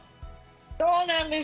そうなんです。